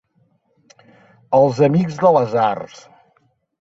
Els amics de les arts.